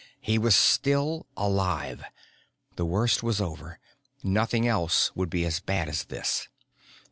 He was still alive. The worst was over. Nothing else would be as bad as this.